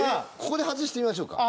ここで外してみましょうか。